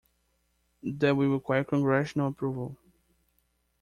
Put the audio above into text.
That will require congressional approval.